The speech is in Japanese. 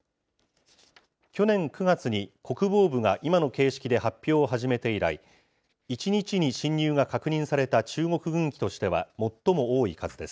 去年９月に国防部が今の形式で発表を始めて以来、１日に進入が確認された中国軍機としては最も多い数です。